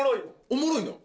おもろいの。